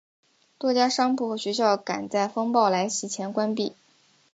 多家商铺和学校赶在风暴来袭前关闭。